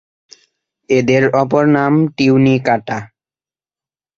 এদের অপর নাম টিউনিকাটা।